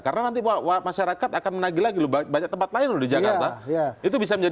karena nanti masyarakat akan menagi lagi banyak tempat lain di jakarta